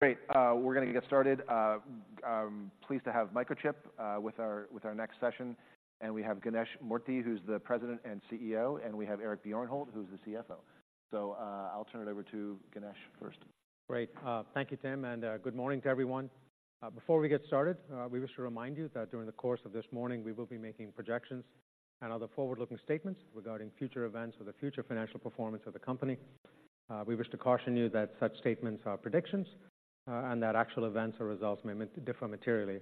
Great, we're gonna get started. Pleased to have Microchip with our next session, and we have Ganesh Moorthy, who's the President and CEO, and we have Eric Bjornholt, who's the CFO. So, I'll turn it over to Ganesh first. Great. Thank you, Tim, and good morning to everyone. Before we get started, we wish to remind you that during the course of this morning, we will be making projections and other forward-looking statements regarding future events or the future financial performance of the company. We wish to caution you that such statements are predictions, and that actual events or results may differ materially.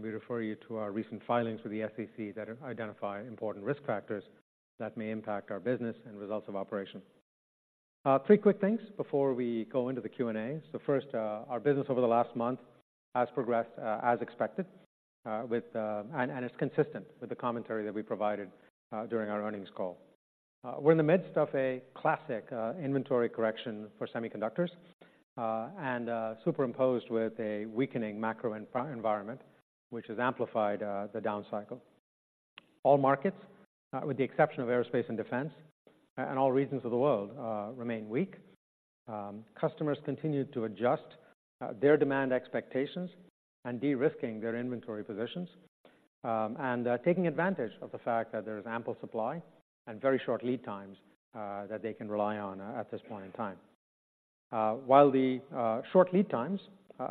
We refer you to our recent filings with the SEC that identify important risk factors that may impact our business and results of operations. Three quick things before we go into the Q&A. First, our business over the last month has progressed as expected with, and it's consistent with the commentary that we provided during our earnings call. We're in the midst of a classic inventory correction for semiconductors, and superimposed with a weakening macro environment, which has amplified the down cycle. All markets, with the exception of aerospace and defense, and all regions of the world, remain weak. Customers continue to adjust their demand expectations and de-risking their inventory positions, and taking advantage of the fact that there is ample supply and very short lead times that they can rely on at this point in time. While the short lead times,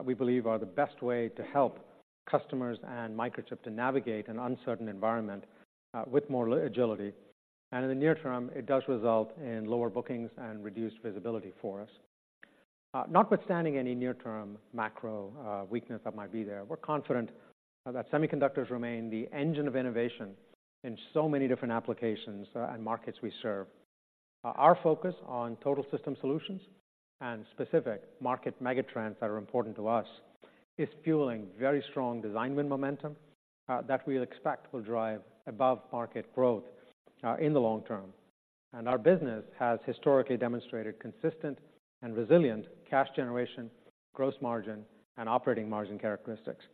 we believe are the best way to help customers and Microchip to navigate an uncertain environment, with more agility, and in the near term, it does result in lower bookings and reduced visibility for us. Notwithstanding any near-term macro weakness that might be there, we're confident that semiconductors remain the engine of innovation in so many different applications and markets we serve. Our focus on total system solutions and specific market megatrends that are important to us is fueling very strong design win momentum that we expect will drive above-market growth in the long term. And our business has historically demonstrated consistent and resilient cash generation, gross margin, and operating margin characteristics.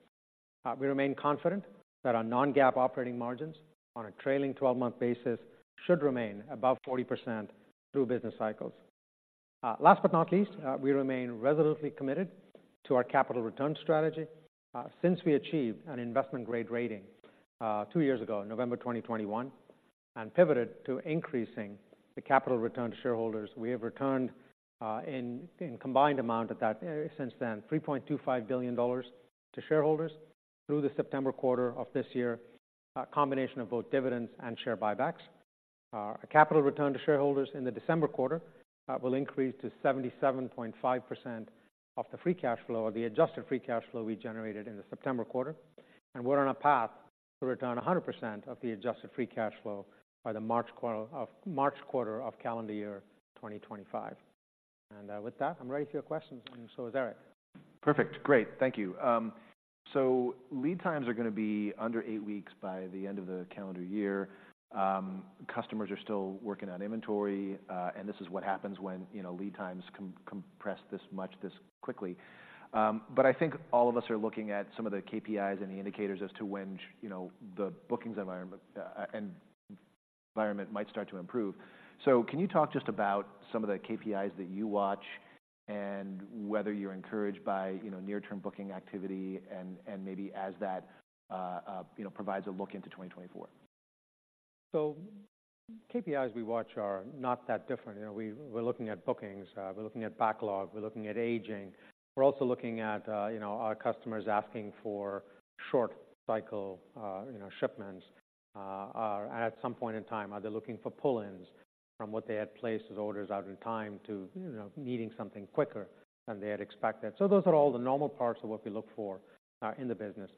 We remain confident that our non-GAAP operating margins on a trailing twelve-month basis should remain above 40% through business cycles. Last but not least, we remain resolutely committed to our capital return strategy. Since we achieved an Investment-Grade Rating two years ago, in November 2021, and pivoted to increasing the capital return to shareholders, we have returned in combined amount since then, $3.25 billion to shareholders through the September quarter of this year, a combination of both dividends and share buybacks. A capital return to shareholders in the December quarter will increase to 77.5% of the free cash flow, or the Adjusted Free Cash Flow we generated in the September quarter. And with that, I'm ready for your questions, and so is Eric. Perfect. Great, thank you. So lead times are gonna be under eight weeks by the end of the calendar year. Customers are still working on inventory, and this is what happens when, you know, lead times compress this much, this quickly. But I think all of us are looking at some of the KPIs and the indicators as to when, you know, the bookings environment and environment might start to improve. So can you talk just about some of the KPIs that you watch and whether you're encouraged by, you know, near-term booking activity and, and maybe as that, you know, provides a look into 2024? So KPIs we watch are not that different. You know, we're looking at bookings, we're looking at backlog, we're looking at aging. We're also looking at, you know, our customers asking for short cycle, you know, shipments. At some point in time, are they looking for pull-ins from what they had placed as orders out in time to, you know, needing something quicker than they had expected? So those are all the normal parts of what we look for in the business.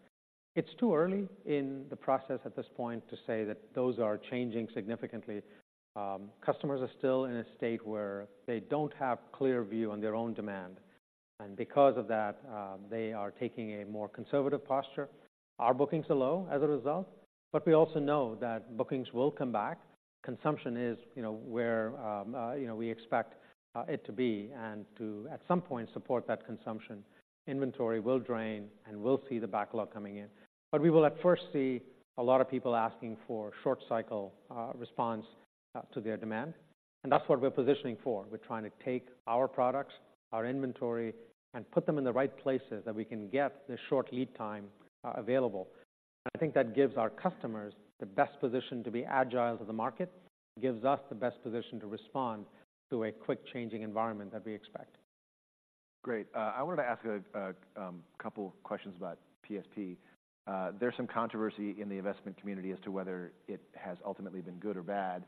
It's too early in the process at this point to say that those are changing significantly. Customers are still in a state where they don't have clear view on their own demand, and because of that, they are taking a more conservative posture. Our bookings are low as a result, but we also know that bookings will come back. Consumption is, you know, where, you know, we expect it to be and to, at some point, support that consumption. Inventory will drain, and we'll see the backlog coming in. But we will at first see a lot of people asking for short cycle, response, to their demand, and that's what we're positioning for. We're trying to take our products, our inventory, and put them in the right places that we can get the short lead time, available. I think that gives our customers the best position to be agile to the market, gives us the best position to respond to a quick-changing environment that we expect. Great. I wanted to ask a couple of questions about PSP. There's some controversy in the investment community as to whether it has ultimately been good or bad.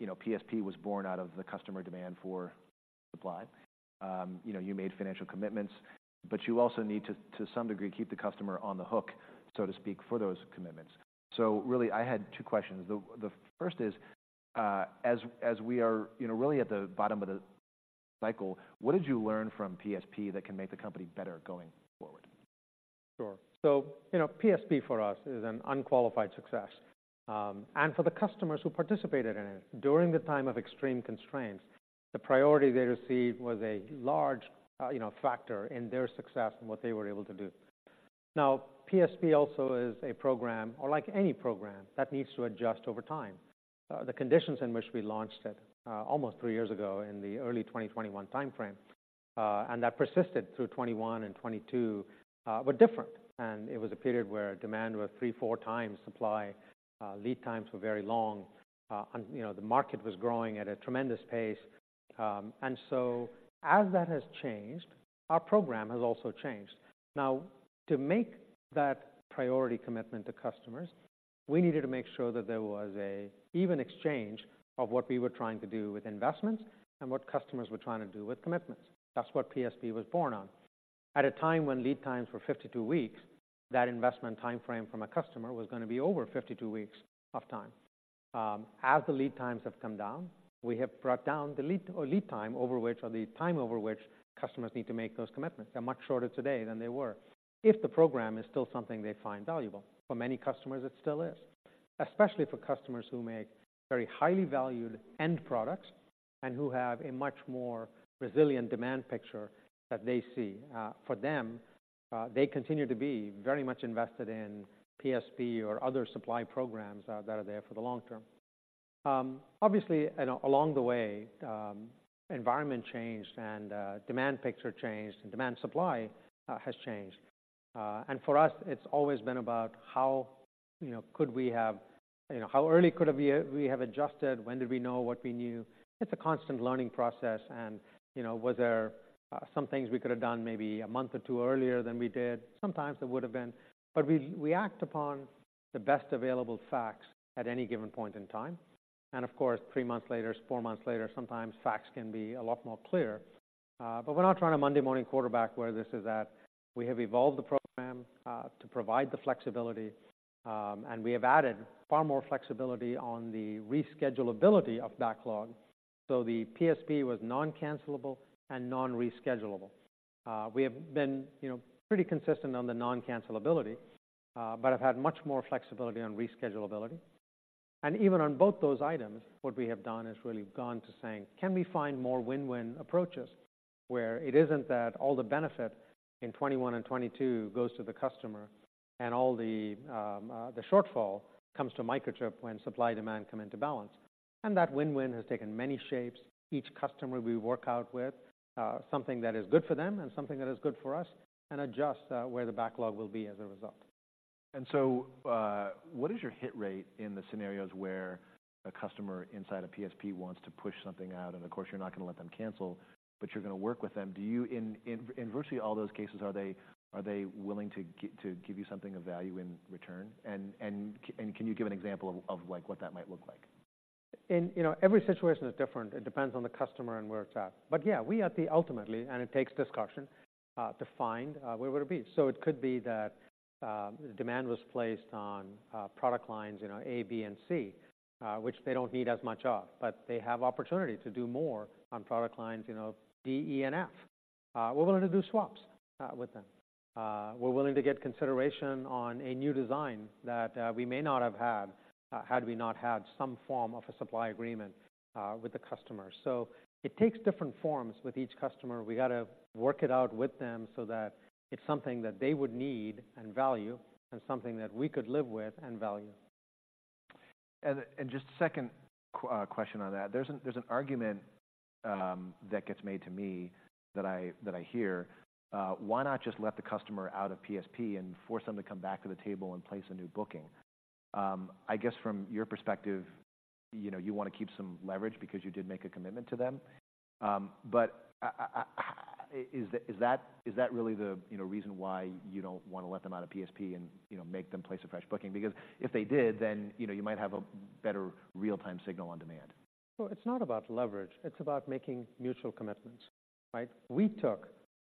You know, PSP was born out of the customer demand for supply. You know, you made financial commitments, but you also need to some degree keep the customer on the hook, so to speak, for those commitments. So really, I had two questions. The first is, as we are you know really at the bottom of the cycle, what did you learn from PSP that can make the company better going forward? Sure. So, you know, PSP for us is an unqualified success, and for the customers who participated in it. During the time of extreme constraints, the priority they received was a large, you know, factor in their success and what they were able to do. Now, PSP also is a program, or like any program, that needs to adjust over time. The conditions in which we launched it, almost three years ago in the early 2021 timeframe, and that persisted through 2021 and 2022, were different, and it was a period where demand was 3x-4x supply, lead times were very long, and, you know, the market was growing at a tremendous pace. And so as that has changed, our program has also changed. Now, to make that priority commitment to customers, we needed to make sure that there was an even exchange of what we were trying to do with investments and what customers were trying to do with commitments. That's what PSP was born on. At a time when lead times were 52 weeks, that investment timeframe from a customer was going to be over 52 weeks of time. As the lead times have come down, we have brought down the lead time over which, or the time over which customers need to make those commitments. They're much shorter today than they were, if the program is still something they find valuable. For many customers, it still is, especially for customers who make very highly valued end products and who have a much more resilient demand picture that they see. For them, they continue to be very much invested in PSP or other supply programs that are there for the long term. Obviously, along the way, environment changed and demand picture changed and demand supply has changed. For us, it's always been about how, you know, could we have... You know, how early could we have adjusted? When did we know what we knew? It's a constant learning process and, you know, were there some things we could have done maybe a month or two earlier than we did? Sometimes there would have been, but we act upon the best available facts at any given point in time, and of course, three months later, four months later, sometimes facts can be a lot more clear. But we're not trying a Monday morning quarterback where this is at. We have evolved the program to provide the flexibility, and we have added far more flexibility on the reschedulability of backlog. So the PSP was non-cancellable and non-reschedulable. We have been, you know, pretty consistent on the non-cancellability, but have had much more flexibility on reschedulability. And even on both those items, what we have done is really gone to saying, "Can we find more win-win approaches where it isn't that all the benefit in 2021 and 2022 goes to the customer, and all the shortfall comes to Microchip when supply, demand come into balance?" And that win-win has taken many shapes. Each customer we work out with, something that is good for them and something that is good for us, and adjust where the backlog will be as a result. And so, what is your hit rate in the scenarios where a customer inside a PSP wants to push something out? And of course, you're not going to let them cancel, but you're going to work with them. Do you, in virtually all those cases, are they willing to give you something of value in return? And can you give an example of, like, what that might look like? You know, every situation is different. It depends on the customer and where it's at. But yeah, we ultimately, and it takes discussion to find where would it be. So it could be that demand was placed on product lines, you know, A, B, and C, which they don't need as much of, but they have opportunity to do more on product lines, you know, D, E, and F. We're willing to do swaps with them. We're willing to get consideration on a new design that we may not have had, had we not had some form of a supply agreement with the customer. So it takes different forms with each customer. We got to work it out with them so that it's something that they would need and value, and something that we could live with and value. Just a second question on that. There's an argument that gets made to me that I hear: Why not just let the customer out of PSP and force them to come back to the table and place a new booking? I guess from your perspective, you know, you want to keep some leverage because you did make a commitment to them. But is that really the, you know, reason why you don't want to let them out of PSP and, you know, make them place a fresh booking? Because if they did, then, you know, you might have a better real-time signal on demand. Well, it's not about leverage. It's about making mutual commitments, right? We took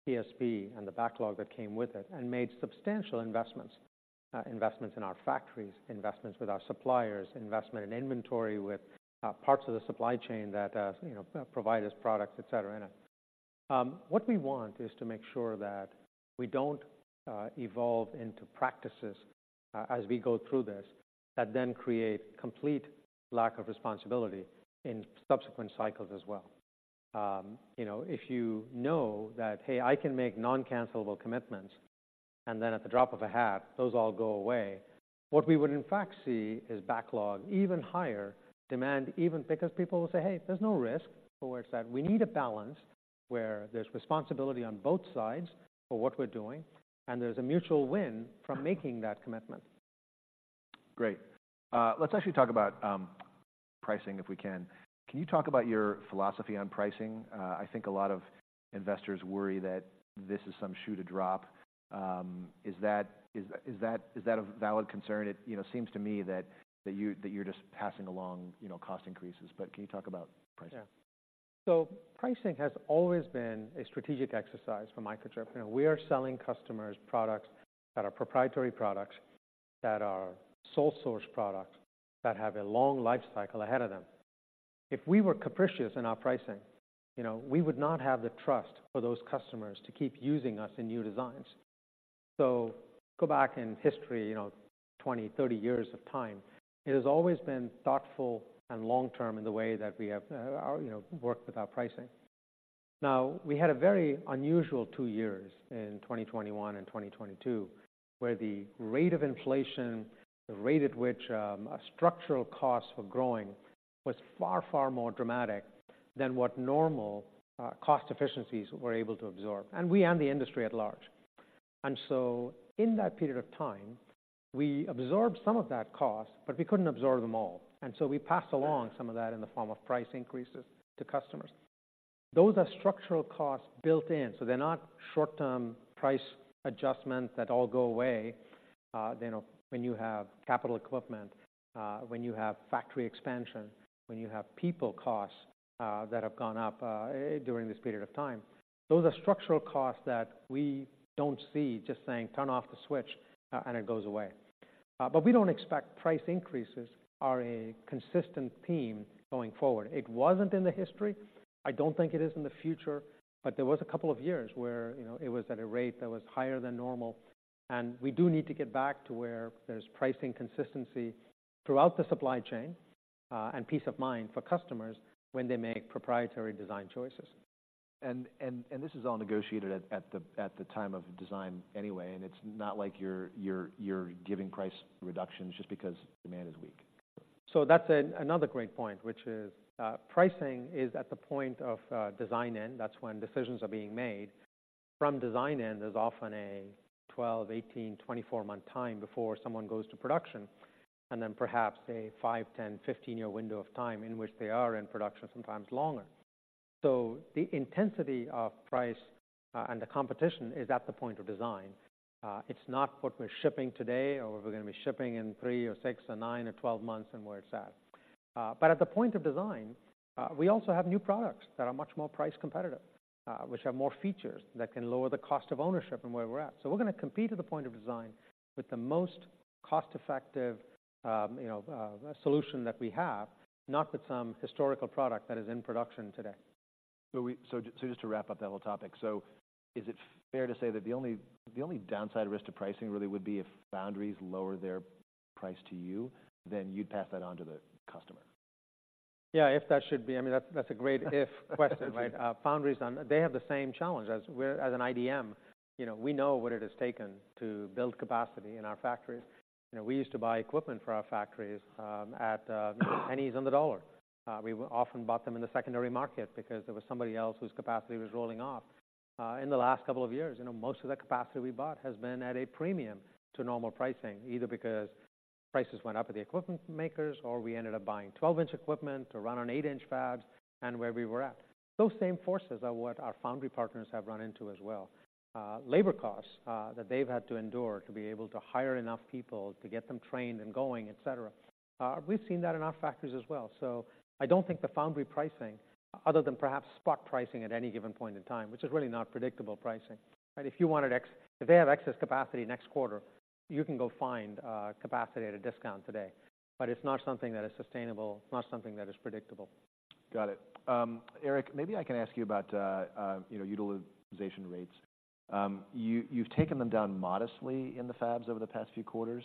PSP and the backlog that came with it and made substantial investments. Investments in our factories, investments with our suppliers, investment in inventory, with parts of the supply chain that, you know, provide us products, et cetera. What we want is to make sure that we don't evolve into practices, as we go through this, that then create complete lack of responsibility in subsequent cycles as well. You know, if you know that, hey, I can make non-cancellable commitments, and then at the drop of a hat, those all go away, what we would in fact see is backlog, even higher demand, even because people will say, "Hey, there's no risk for where it's at." We need a balance where there's responsibility on both sides for what we're doing, and there's a mutual win from making that commitment. Great. Let's actually talk about pricing, if we can. Can you talk about your philosophy on pricing? I think a lot of investors worry that this is some shoe to drop. Is that a valid concern? You know, seems to me that you’re just passing along, you know, cost increases, but can you talk about pricing? Yeah. So pricing has always been a strategic exercise for Microchip. You know, we are selling customers products that are proprietary products, that are sole source products, that have a long life cycle ahead of them. If we were capricious in our pricing, you know, we would not have the trust for those customers to keep using us in new designs. So go back in history, you know, 20, 30 years of time, it has always been thoughtful and long-term in the way that we have, you know, worked with our pricing. Now, we had a very unusual two years in 2021 and 2022, where the rate of inflation, the rate at which, structural costs were growing, was far, far more dramatic than what normal, cost efficiencies were able to absorb, and we and the industry at large. In that period of time, we absorbed some of that cost, but we couldn't absorb them all, and so we passed along some of that in the form of price increases to customers. Those are structural costs built in, so they're not short-term price adjustments that all go away, you know, when you have capital equipment, when you have factory expansion, when you have people costs that have gone up during this period of time. Those are structural costs that we don't see just saying, "Turn off the switch," and it goes away. But we don't expect price increases are a consistent theme going forward. It wasn't in the history. I don't think it is in the future, but there was a couple of years where, you know, it was at a rate that was higher than normal. We do need to get back to where there's pricing consistency throughout the supply chain, and peace of mind for customers when they make proprietary design choices. And this is all negotiated at the time of design anyway, and it's not like you're giving price reductions just because demand is weak. So that's another great point, which is, pricing is at the point of design-in. That's when decisions are being made. From design-in, there's often a 12-, 18-, 24-month time before someone goes to production, and then perhaps a five-, 10-, 15-year window of time in which they are in production, sometimes longer. So the intensity of price, and the competition is at the point of design. It's not what we're shipping today or we're gonna be shipping in three, six, nine, or 12 months and where it's at. But at the point of design, we also have new products that are much more price competitive, which have more features that can lower the cost of ownership from where we're at. So we're gonna compete at the point of design with the most cost-effective, you know, solution that we have, not with some historical product that is in production today. So, just to wrap up that whole topic, so is it fair to say that the only, the only downside risk to pricing really would be if foundries lower their price to you, then you'd pass that on to the customer? Yeah, if that should be... I mean, that's a great if question, right? Foundries, they have the same challenge as an IDM. You know, we know what it has taken to build capacity in our factories. You know, we used to buy equipment for our factories at pennies on the dollar. In the last couple of years, you know, most of the capacity we bought has been at a premium to normal pricing, either because prices went up with the equipment makers, or we ended up buying 12-inch equipment to run on eight-inch fabs, and where we were at. Those same forces are what our foundry partners have run into as well. Labor costs that they've had to endure to be able to hire enough people to get them trained and going, et cetera, we've seen that in our factories as well. So I don't think the foundry pricing, other than perhaps spot pricing at any given point in time, which is really not predictable pricing. But if they have excess capacity next quarter, you can go find capacity at a discount today, but it's not something that is sustainable, not something that is predictable. Got it. Eric, maybe I can ask you about, you know, utilization rates. You, you've taken them down modestly in the fabs over the past few quarters,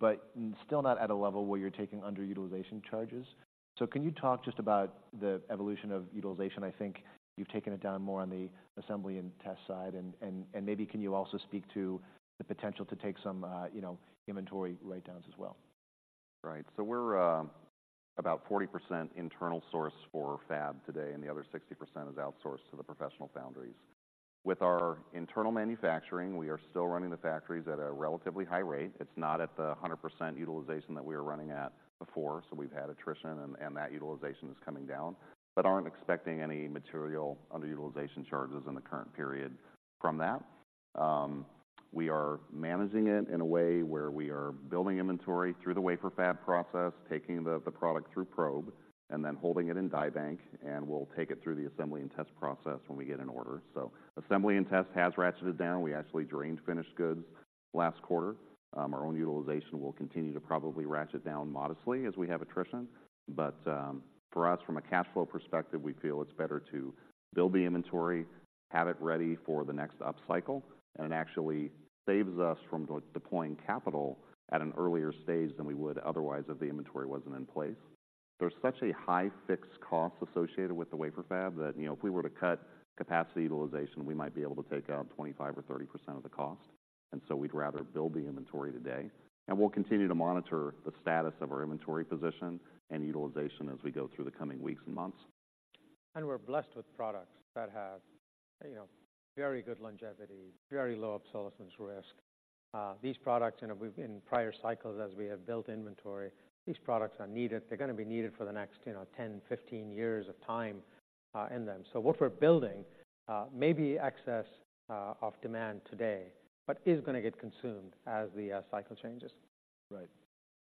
but still not at a level where you're taking underutilization charges. So can you talk just about the evolution of utilization? I think you've taken it down more on the assembly and test side, and maybe can you also speak to the potential to take some, you know, inventory write-downs as well? Right. So we're about 40% internal source for fab today, and the other 60% is outsourced to the professional foundries. With our internal manufacturing, we are still running the factories at a relatively high rate. It's not at the 100% utilization that we were running at before, so we've had attrition, and that utilization is coming down, but aren't expecting any material underutilization charges in the current period from that. We are managing it in a way where we are building inventory through the wafer fab process, taking the product through probe, and then holding it in Die Bank, and we'll take it through the assembly and test process when we get an order. So assembly and test has ratcheted down. We actually drained finished goods last quarter. Our own utilization will continue to probably ratchet down modestly as we have attrition, but, for us, from a cash flow perspective, we feel it's better to build the inventory, have it ready for the next upcycle, and it actually saves us from de- deploying capital at an earlier stage than we would otherwise if the inventory wasn't in place. There's such a high fixed cost associated with the wafer fab that, you know, if we were to cut capacity utilization, we might be able to take out 25% or 30% of the cost, and so we'd rather build the inventory today. We'll continue to monitor the status of our inventory position and utilization as we go through the coming weeks and months. We're blessed with products that have, you know, very good longevity, very low obsolescence risk. These products, and we've in prior cycles as we have built inventory, these products are needed. They're gonna be needed for the next, you know, 10, 15 years of time, in them. So what we're building may be excess of demand today, but is gonna get consumed as the cycle changes. Right.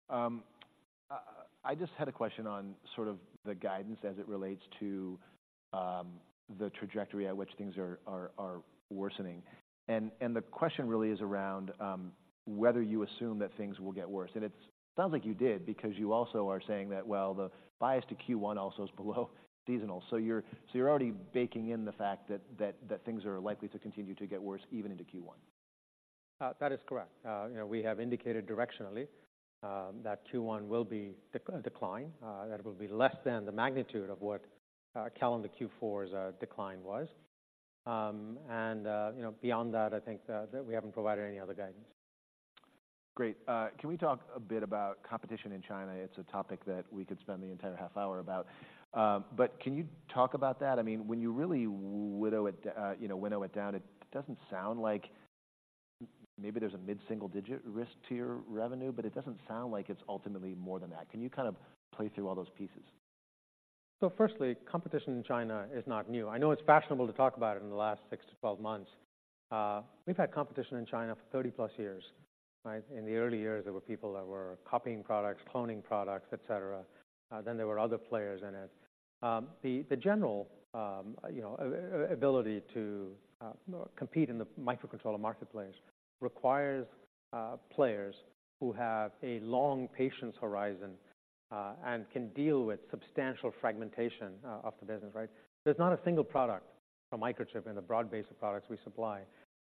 I just had a question on sort of the guidance as it relates to the trajectory at which things are worsening. And the question really is around whether you assume that things will get worse. And it sounds like you did, because you also are saying that, well, the bias to Q1 also is below seasonal. So you're already baking in the fact that things are likely to continue to get worse even into Q1?... That is correct. You know, we have indicated directionally that Q1 will be a decline, that it will be less than the magnitude of what calendar Q4's decline was. And you know, beyond that, I think that we haven't provided any other guidance. Great. Can we talk a bit about competition in China? It's a topic that we could spend the entire half hour about. But can you talk about that? I mean, when you really winnow it down, you know, it doesn't sound like maybe there's a mid-single digit risk to your revenue, but it doesn't sound like it's ultimately more than that. Can you kind of play through all those pieces? So firstly, competition in China is not new. I know it's fashionable to talk about it in the last six to 12 months. We've had competition in China for 30+ years, right? In the early years, there were people that were copying products, cloning products, et cetera, then there were other players in it. The general you know ability to compete in the microcontroller marketplace requires players who have a long patience horizon and can deal with substantial fragmentation of the business, right? There's not a single product from Microchip in the broad base of products we supply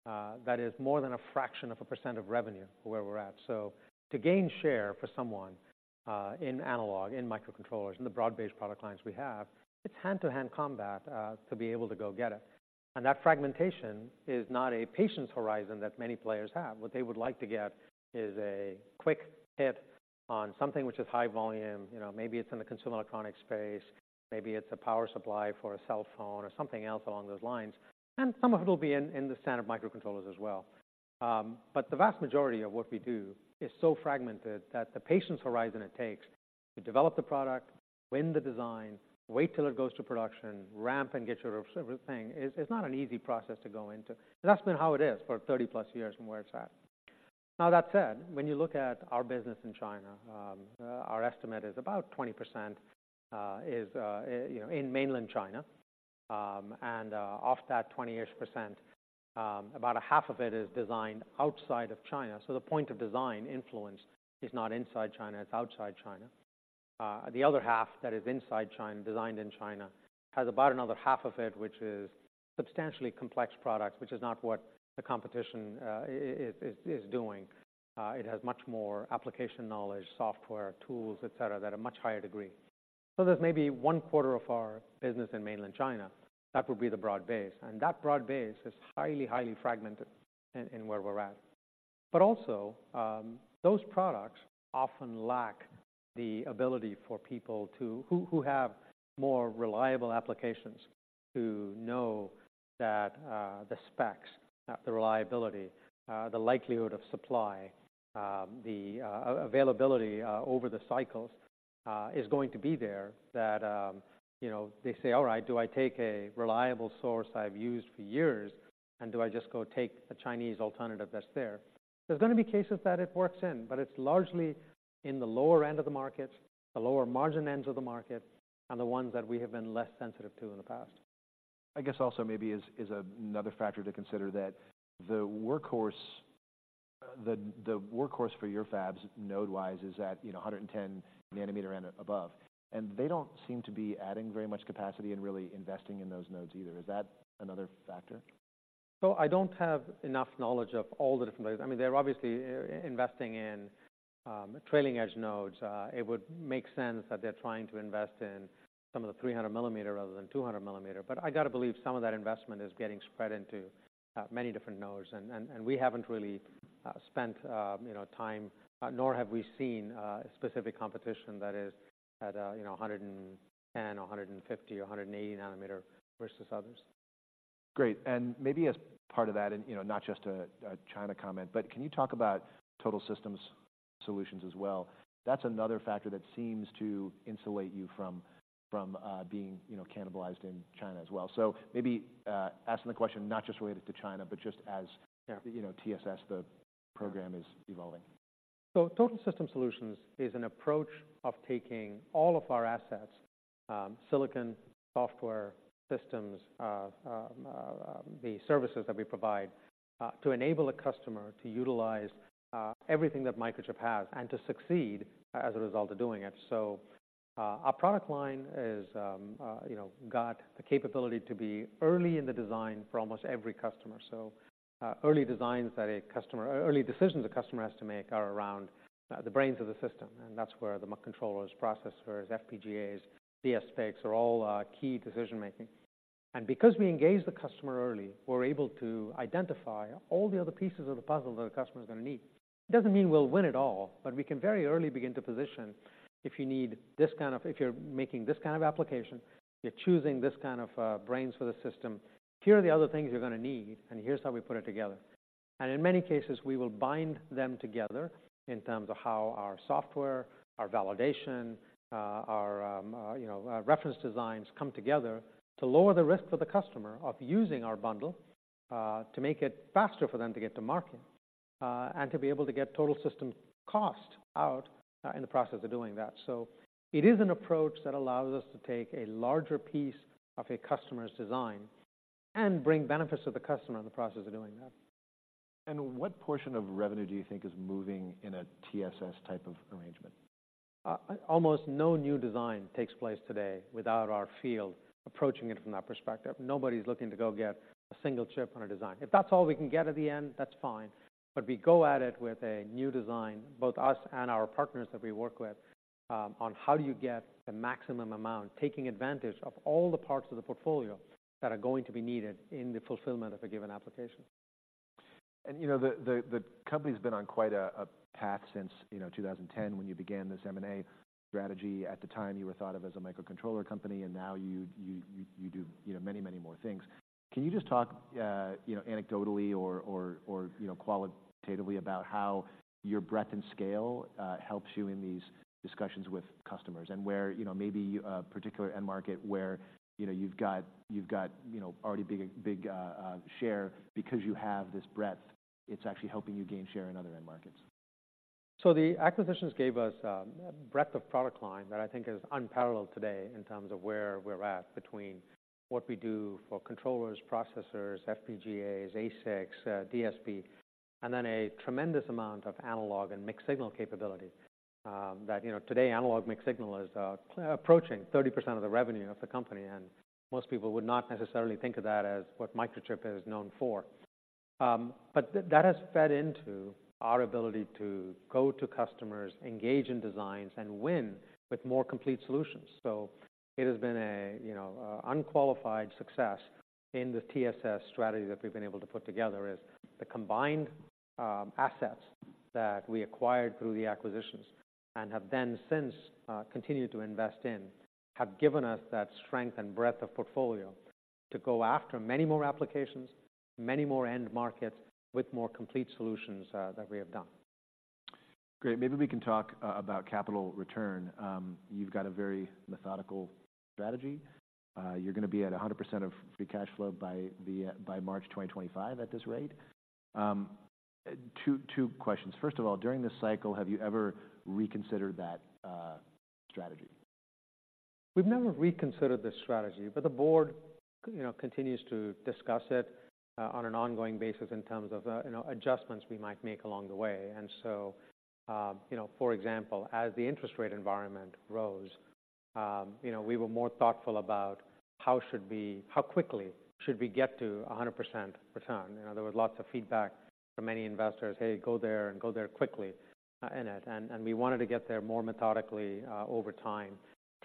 that is more than a fraction of a percent of revenue where we're at. So to gain share for someone in analog, in microcontrollers, in the broad-based product lines we have, it's hand-to-hand combat to be able to go get it. And that fragmentation is not a patience horizon that many players have. What they would like to get is a quick hit on something which is high volume, you know, maybe it's in the consumer electronics space, maybe it's a power supply for a cell phone or something else along those lines, and some of it will be in the standard microcontrollers as well. But the vast majority of what we do is so fragmented that the patience horizon it takes to develop the product, win the design, wait till it goes to production, ramp and get your everything, it's not an easy process to go into. That's been how it is for 30+ years from where it's at. Now, that said, when you look at our business in China, our estimate is about 20%, you know, in mainland China. And of that 20-ish%, about a half of it is designed outside of China. So the point of design influence is not inside China, it's outside China. The other half that is inside China, designed in China, has about another half of it, which is substantially complex products, which is not what the competition is doing. It has much more application knowledge, software, tools, et cetera, at a much higher degree. So there's maybe one quarter of our business in mainland China, that would be the broad base, and that broad base is highly, highly fragmented in where we're at. But also, those products often lack the ability for people to who have more reliable applications, to know that, the specs, the reliability, the likelihood of supply, the availability, over the cycles, is going to be there. That, you know, they say, "All right, do I take a reliable source I've used for years, and do I just go take a Chinese alternative that's there?" There's gonna be cases that it works in, but it's largely in the lower end of the markets, the lower margin ends of the market, and the ones that we have been less sensitive to in the past. I guess also maybe is another factor to consider, that the workhorse for your fabs, node-wise, is at, you know, 110 nm and above, and they don't seem to be adding very much capacity and really investing in those nodes either. Is that another factor? So I don't have enough knowledge of all the different nodes. I mean, they're obviously investing in trailing edge nodes. It would make sense that they're trying to invest in some of the 300 mm rather than 200 mm. But I gotta believe some of that investment is getting spread into many different nodes, and we haven't really spent, you know, time nor have we seen specific competition that is at, you know, 110 nm, or 150 nm, or 180 nm versus others. Great. And maybe as part of that and, you know, not just a China comment, but can you talk about Total System Solutions as well? That's another factor that seems to insulate you from being, you know, cannibalized in China as well. So maybe asking the question, not just related to China, but just as- Yeah... you know, TSS, the program, is evolving. So Total System Solutions is an approach of taking all of our assets, silicon, software, systems, the services that we provide, to enable a customer to utilize, everything that Microchip has, and to succeed as a result of doing it. So, our product line is, you know, got the capability to be early in the design for almost every customer. So, early designs that a customer—early decisions a customer has to make are around, the brains of the system, and that's where the controllers, processors, FPGAs, DSPs are all, key decision-making. And because we engage the customer early, we're able to identify all the other pieces of the puzzle that a customer is gonna need. It doesn't mean we'll win it all, but we can very early begin to position, if you need this kind of, if you're making this kind of application, you're choosing this kind of, brains for the system, here are the other things you're gonna need, and here's how we put it together. In many cases, we will bind them together in terms of how our software, our validation, our, you know, reference designs come together to lower the risk for the customer of using our bundle, to make it faster for them to get to market, and to be able to get total system cost out, in the process of doing that. It is an approach that allows us to take a larger piece of a customer's design and bring benefits to the customer in the process of doing that. What portion of revenue do you think is moving in a TSS type of arrangement?... Almost no new design takes place today without our field approaching it from that perspective. Nobody's looking to go get a single chip on a design. If that's all we can get at the end, that's fine, but we go at it with a new design, both us and our partners that we work with, on how do you get the maximum amount, taking advantage of all the parts of the portfolio that are going to be needed in the fulfillment of a given application. You know, the company's been on quite a path since, you know, 2010, when you began this M&A strategy. At the time, you were thought of as a microcontroller company, and now you do, you know, many, many more things. Can you just talk, you know, anecdotally or, you know, qualitatively about how your breadth and scale helps you in these discussions with customers? And where, you know, maybe a particular end market where, you know, you've got already big share, because you have this breadth, it's actually helping you gain share in other end markets. So the acquisitions gave us breadth of product line that I think is unparalleled today in terms of where we're at, between what we do for controllers, processors, FPGAs, ASICs, DSP, and then a tremendous amount of analog and mixed-signal capability. That, you know, today, analog mixed-signal is approaching 30% of the revenue of the company, and most people would not necessarily think of that as what Microchip is known for. But that has fed into our ability to go to customers, engage in designs, and win with more complete solutions. So it has been a, you know, a unqualified success in the TSS strategy that we've been able to put together, is the combined, assets that we acquired through the acquisitions and have then since, continued to invest in, have given us that strength and breadth of portfolio to go after many more applications, many more end markets, with more complete solutions, than we have done. Great. Maybe we can talk about capital return. You've got a very methodical strategy. You're gonna be at 100% of free cash flow by March 2025, at this rate. Two questions. First of all, during this cycle, have you ever reconsidered that strategy? We've never reconsidered this strategy, but the board, you know, continues to discuss it on an ongoing basis in terms of, you know, adjustments we might make along the way. And so, you know, for example, as the interest rate environment rose, you know, we were more thoughtful about how quickly should we get to a 100% return. You know, there was lots of feedback from many investors, "Hey, go there, and go there quickly," in it, and, and we wanted to get there more methodically, over time,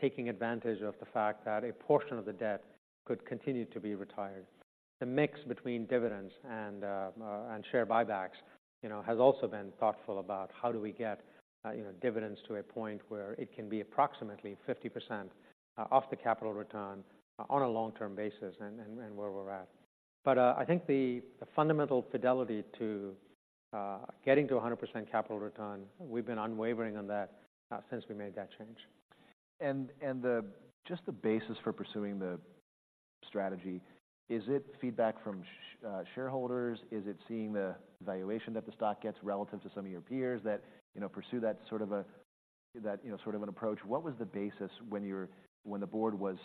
taking advantage of the fact that a portion of the debt could continue to be retired. The mix between dividends and share buybacks, you know, has also been thoughtful about how do we get, you know, dividends to a point where it can be approximately 50% off the capital return on a long-term basis and where we're at. But, I think the fundamental fidelity to getting to a 100% capital return, we've been unwavering on that, since we made that change. And the basis for pursuing the strategy, is it feedback from shareholders? Is it seeing the valuation that the stock gets relative to some of your peers that, you know, pursue that sort of an approach? What was the basis when the board was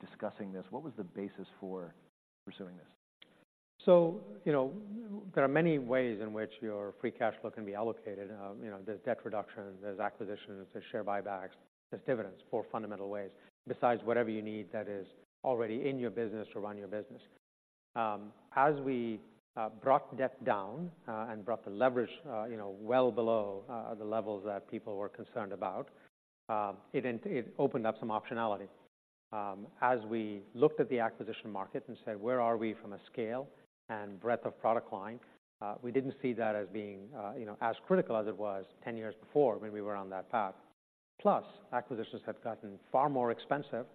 discussing this, what was the basis for pursuing this? So, you know, there are many ways in which your free cash flow can be allocated. You know, there's debt reduction, there's acquisitions, there's share buybacks, there's dividends, four fundamental ways, besides whatever you need that is already in your business to run your business. As we brought debt down and brought the leverage you know well below the levels that people were concerned about, it opened up some optionality. As we looked at the acquisition market and said, "Where are we from a scale and breadth of product line?" We didn't see that as being you know as critical as it was 10 years before when we were on that path. Plus, acquisitions had gotten far more expensive,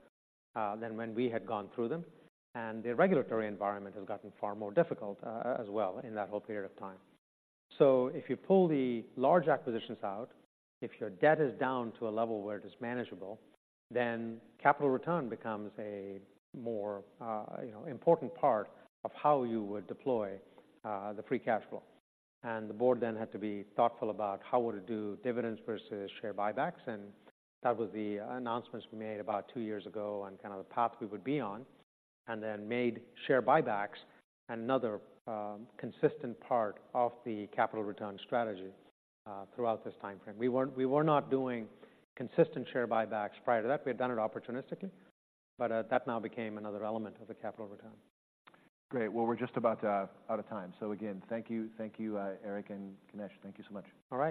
than when we had gone through them, and the regulatory environment had gotten far more difficult, as well, in that whole period of time. So if you pull the large acquisitions out, if your debt is down to a level where it is manageable, then capital return becomes a more, you know, important part of how you would deploy, the free cash flow. And the board then had to be thoughtful about how would it do dividends versus share buybacks, and that was the announcements we made about two years ago on kind of the path we would be on, and then made share buybacks another, consistent part of the capital return strategy, throughout this timeframe. We were not doing consistent share buybacks prior to that. We had done it opportunistically, but, that now became another element of the capital return. Great. Well, we're just about out of time. So again, thank you. Thank you, Eric and Ganesh. Thank you so much. All right-